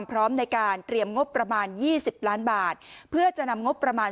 ประมาณ๒๐ล้านบาทเพื่อจะนำงบประมาณ